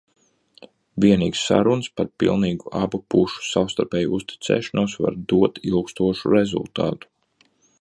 Vienīgi sarunas ar pilnīgu abu pušu savstarpēju uzticēšanos var dot ilgstošu rezultātu.